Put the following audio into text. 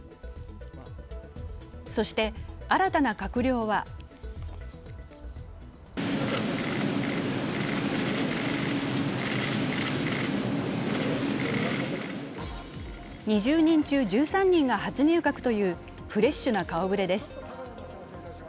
そして、新たな閣僚は２０人中１３人が初入閣というフレッシュな顔ぶれです。